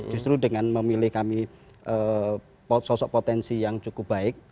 justru dengan memilih kami sosok potensi yang cukup baik